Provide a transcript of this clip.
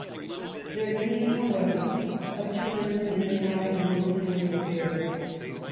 There came, however, a turn in the tide of military a£Pairs.